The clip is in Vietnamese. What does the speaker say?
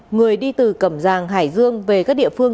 người đi từ cầm giàng hải dương về các địa phương